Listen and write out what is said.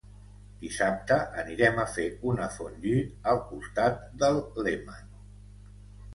Dissabte anirem a fer una fondue al costat del Léman.